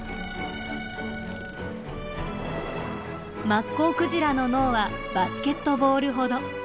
マッコウクジラの脳はバスケットボールほど。